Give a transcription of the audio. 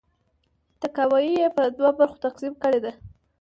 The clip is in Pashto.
تاکاوی یې په دوه برخو تقسیم کړې ده.